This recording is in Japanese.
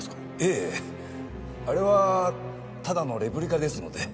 ええあれはただのレプリカですので